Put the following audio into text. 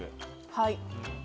はい。